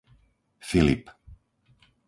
Filip